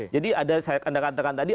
jadi ada saya kandakan kandakan tadi